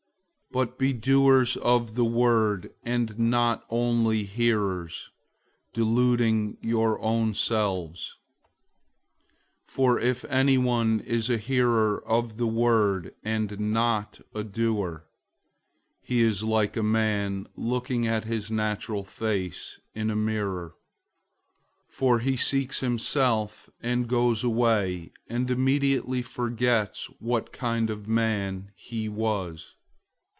001:022 But be doers of the word, and not only hearers, deluding your own selves. 001:023 For if anyone is a hearer of the word and not a doer, he is like a man looking at his natural face in a mirror; 001:024 for he sees himself, and goes away, and immediately forgets what kind of man he was.